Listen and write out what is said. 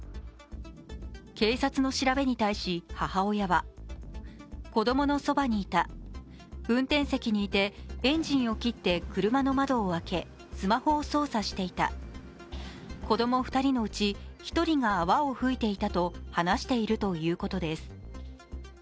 警察の調べに対し母親は、子供のそばにいた、運転席にいてエンジンを切って車の窓を開け、スマホを操作していた、子供２人のうち、１人が泡を吹いていたと話しているということです。